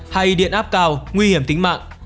hay điện áp cao nguy hiểm tính mạng